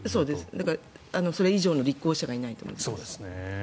だからそれ以上の立候補者がいないと。